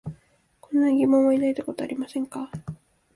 こんな疑問を抱いたことはありませんか？